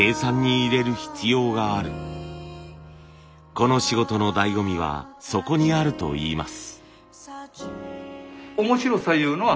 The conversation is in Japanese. この仕事のだいご味はそこにあるといいます。